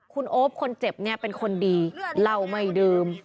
คุณโอ๊ปคนเจ็บเป็นคนดีเล่าไม่ดื่ม